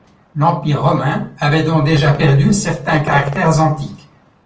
L'Empire romain avait donc déjà perdu certains caractères antiques.